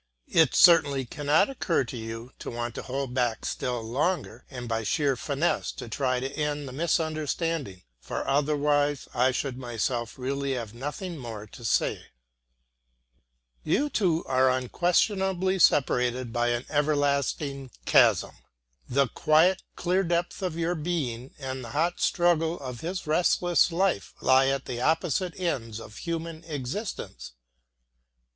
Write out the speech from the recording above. It certainly cannot occur to you to want to hold back still longer, and by sheer finesse to try to end the misunderstanding; for otherwise I should myself really have nothing more to say. You two are unquestionably separated by an everlasting chasm. The quiet, clear depth of your being and the hot struggle of his restless life lie at the opposite ends of human existence.